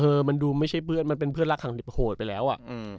เออมันดูไม่ใช่เพื่อนมันเป็นเพื่อนรักหักดิบโหดไปแล้วอ่ะอืม